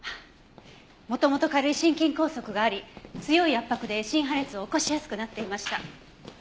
元々軽い心筋梗塞があり強い圧迫で心破裂を起こしやすくなっていました。